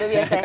udah biasa ya